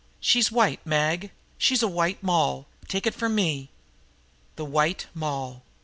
She's white, Mag; she's a white moll take it from me." The White Moll!